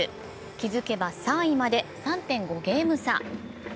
気づけば３位まで３．５ゲーム差。